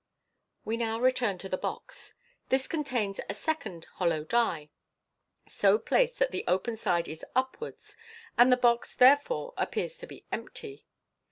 We now return to the box. This contains a second hollow die, so placed that the open side is upwards, and the box therefore appears to be empty.